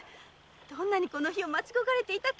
どんなにこの日を待ち焦がれていたか。